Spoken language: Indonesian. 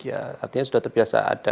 artinya sudah terbiasa ada